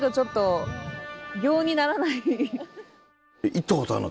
行ったことあるの？